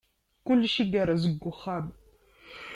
Kullec igerrez deg uxxam.